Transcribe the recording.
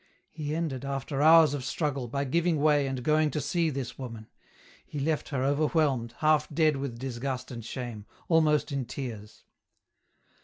He ended, after hours of struggle, by giving way and going to see this woman ; he left her over whelmed, half dead with disgust and shame, almost in tears.